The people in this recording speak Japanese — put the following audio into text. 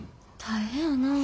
大変やなぁ。